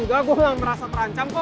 enggak gua gak merasa terancam kok